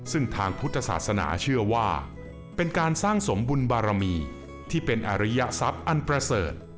ซึ่งทางพุทธศาสนาเชื่อว่าเป็นการสร้างสมบุญบารมีที่เป็นอริยทรัพย์อันประเสริฐ